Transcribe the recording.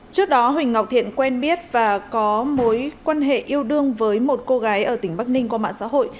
trước đó huỳnh ngọc thiện quen biết và có mối quan hệ yêu đương với một cô gái ở tỉnh bắc ninh qua mạng xã hội